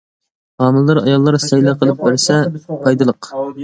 ھامىلىدار ئاياللار سەيلە قىلىپ بەرسە پايدىلىق.